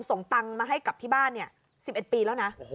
ส่งตังค์มาให้กลับที่บ้าน๑๑ปีแล้วนะ